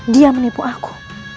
dia menipu aku